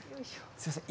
すいません